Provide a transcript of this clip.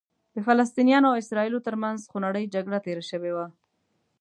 د فلسطینیانو او اسرائیلو ترمنځ خونړۍ جګړه تېره شوې وه.